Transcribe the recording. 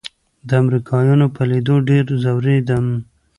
د امريکايانو په ليدو ډېر ځورېدم.